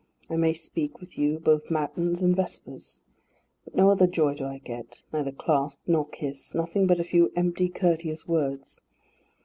I may speak with you both matins and vespers. But no other joy do I get neither clasp nor kiss, nothing but a few empty, courteous words.